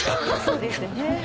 そうですね。